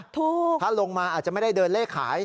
ถ้าลงมาอาจจะไม่ได้เดินเลขขาย